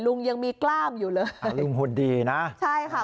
ลุงยังมีกล้ามอยู่เลยลุงหุ่นดีนะใช่ค่ะ